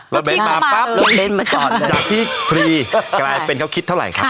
เบ้นมาปั๊บจากที่ฟรีกลายเป็นเขาคิดเท่าไหร่ครับ